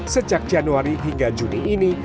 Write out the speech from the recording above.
sejak januari hingga juni ini